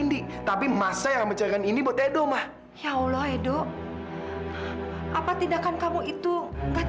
dia ingin bertemu dengan kamila